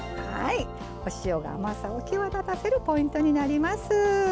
お塩が甘さを際立たせるポイントになります。